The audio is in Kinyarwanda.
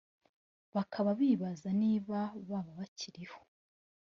bakaba bibazaga niba baba bakiriho